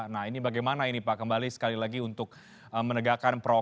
nah ini bagaimana ini pak kembali sekali lagi untuk menegakkan protokol kesehatan